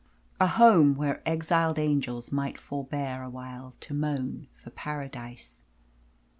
A home where exiled angels might forbear Awhile to moan for paradise.